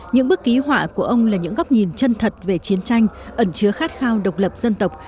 những bức ký họa của ông là những góc nhìn chân thật về chiến tranh ẩn chứa khát khao độc lập dân tộc